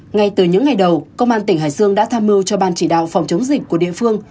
ngay từ những ngày đầu công an tỉnh hải dương đã tham mưu cho ban chỉ đạo phòng chống dịch của địa phương